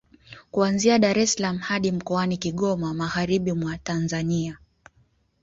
Kuanzia Dar es salaam hadi mkoani Kigoma magharibi mwa Tanzania